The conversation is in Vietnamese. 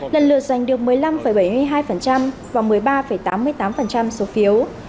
lần lượt giành được một mươi năm bảy mươi hai và một mươi ba tám mươi tám số phiếu